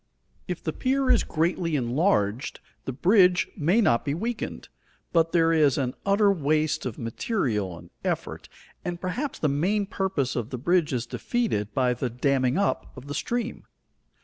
If the pier is greatly enlarged, the bridge may not be weakened, but there is an utter waste of material and effort, and perhaps the main purpose of the bridge is defeated by the damming up of the stream.